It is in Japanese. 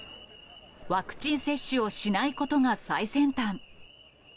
ワクチン接種をしないことが最先端。